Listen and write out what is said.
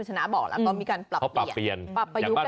ผมพูดอย่างนี้ปุ๊บคนจีนโกรธผมนะ